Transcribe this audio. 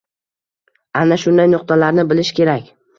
Ana shunday nuqtalarni bilish kerak.